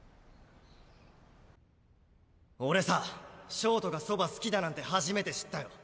俺さ焦凍がそば好きだなんて初めて知ったよ。